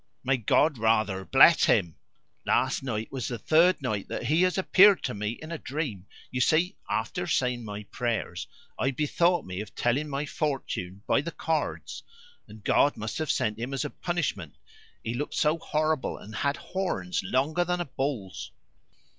"May God, rather, bless him! Last night was the third night that he has appeared to me in a dream. You see, after saying my prayers, I bethought me of telling my fortune by the cards; and God must have sent him as a punishment. He looked so horrible, and had horns longer than a bull's!"